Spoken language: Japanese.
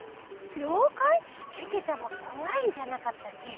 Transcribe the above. ようかい？けけちゃまこわいんじゃなかったっけ？